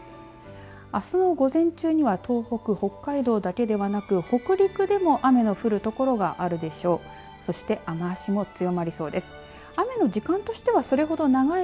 あすの午前中には東北、北海道だけではなく北陸でも雨の降る所があるでしょう。